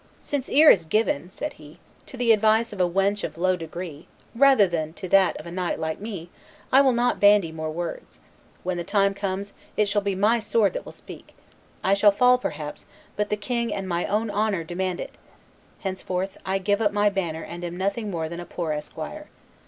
"Since ear is given," said he, "to the advice of a wench of low degree rather than to that of a knight like me, I will not bandy more words; when the time comes, it shall be my sword that will speak; I shall fall, perhaps, but the king and my own honor demand it; henceforth I give up my banner and am nothing more than a poor esquire.